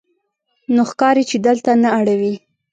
نو ښکاري چې دلته نه اړوې.